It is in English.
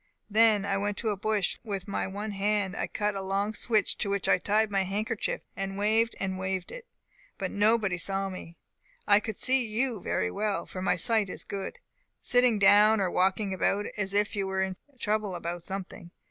Then I went to a bush, and with my one hand cut a long switch, to which I tied my handkerchief, and waved and waved it; but nobody saw me. I could see you very well (for my sight is good) sitting down, or walking about, as if you were in trouble about something.